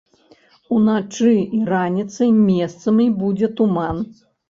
Уначы і раніцай месцамі будзе туман.